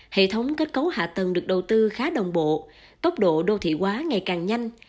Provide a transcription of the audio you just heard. hệ thống kết cấu hạ tầng được đầu tư khá đồng bộ tốc độ đô thị hóa ngày càng nhanh